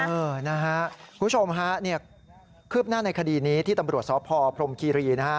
คุณผู้ชมค่ะคืบหน้าในคดีนี้ที่ตำรวจศพพรมกิรี